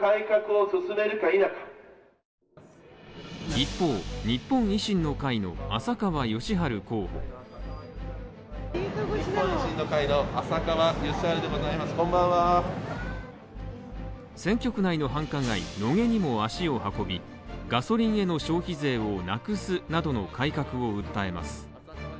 一方、日本維新の会の浅川義治候補。選挙区内の繁華街、野毛にも足を運びガソリンへの消費税をなくすなどの改革を訴えます。